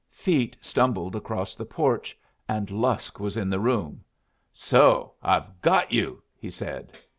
Feet stumbled across the porch, and Lusk was in the room. "So I've got you!" he said.